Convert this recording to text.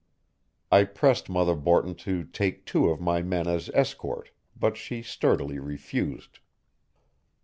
I pressed Mother Borton to take two of my men as escort, but she sturdily refused.